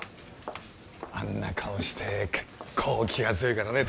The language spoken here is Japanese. あんな顔して結構気が強いからね